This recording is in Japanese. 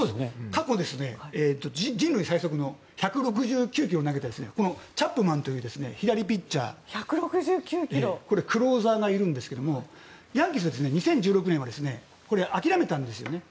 過去人類最速の１６９キロを投げたチャップマンという左ピッチャークローザーがいるんですがヤンキースは２０１６年は諦めたんですよね。